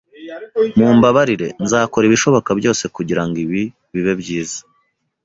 Mumbabarire. Nzakora ibishoboka byose kugirango ibi bibe byiza.